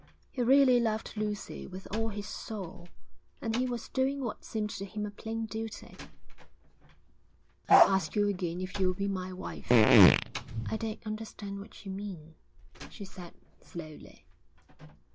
He really loved Lucy with all his soul, and he was doing what seemed to him a plain duty. 'I ask you again if you'll be my wife.' 'I don't understand what you mean,' she said slowly.